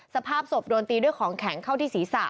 สภาพศพโดนตีด้วยของแข็งเข้าที่ศีรษะ